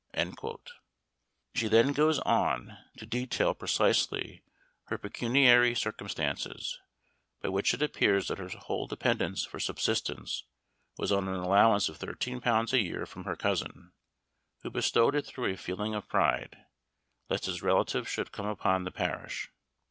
She then goes on to detail precisely her pecuniary circumstances, by which it appears that her whole dependence for subsistence was on an allowance of thirteen pounds a year from her cousin, who bestowed it through a feeling of pride, lest his relative should come upon the parish.